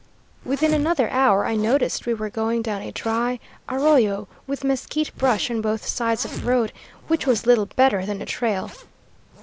Within another hour I noticed we were going down a dry arroyo, with mesquite brush on both sides of the road, which was little better than a trail.